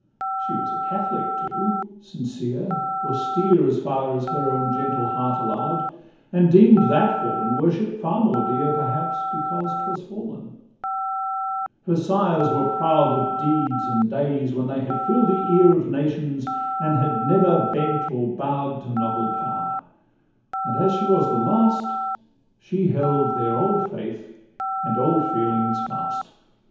She was a Catholic, too, sincere, austere, As far as her own gentle heart allow'd, And deem'd that fallen worship far more dear Perhaps because 'twas fallen: her sires were proud Of deeds and days when they had fill'd the ear Of nations, and had never bent or bow'd To novel power; and as she was the last, She held their old faith and old feelings fast.